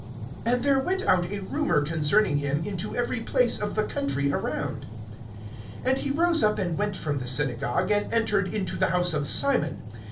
(37)And there went out a rumor concerning him into every place of the country around. (38)And he rose up and went from the synagogue, and entered into the house of Simon.